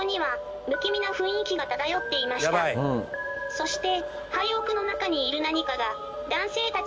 そして。